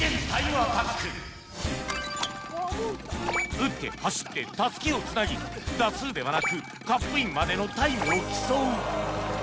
打って走ってタスキをつなぎ打数ではなくカップインまでのタイムを競う